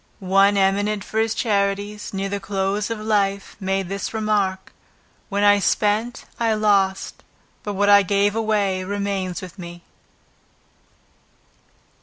One eminent for his charities, near the close of life, made this remark: "What I spent I lost, but what I gave away remains with me."